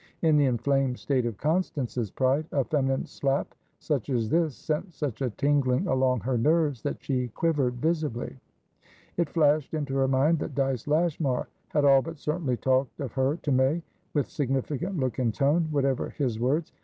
In the inflamed state of Constance's pride, a feminine slap such as this sent such a tingling along her nerves that she quivered visibly. It flashed into her mind that Dyce Lashmar had all but certainly talked of her to Maywith significant look and tone, whatever his words.